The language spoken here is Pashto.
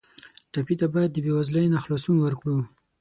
ټپي ته باید د بېوزلۍ نه خلاصون ورکړو.